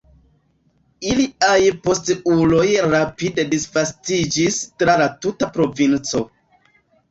Iliaj posteuloj rapide disvastiĝis tra la tuta provinco.